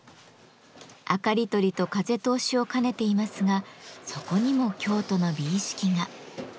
明かり取りと風通しを兼ねていますがそこにも京都の美意識が。